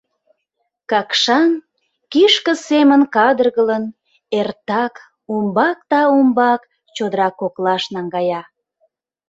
Какшан, кишке семын кадыргылын, эртак умбак да умбак чодыра коклаш наҥгая.